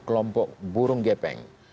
kelompok burung gepeng